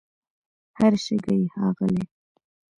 هر شګه یې ښاغلې